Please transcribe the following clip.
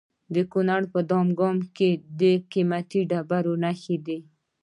د کونړ په دانګام کې د قیمتي ډبرو نښې دي.